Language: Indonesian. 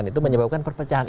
itu menyebabkan perpecahan